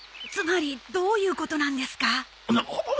つまりどういうことなんですか？